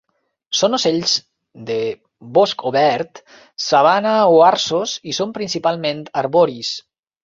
Són ocells de bosc obert, sabana o arços, i són principalment arboris.